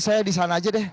saya di sana aja deh